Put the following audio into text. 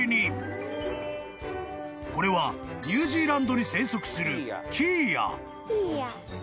［これはニュージーランドに生息する］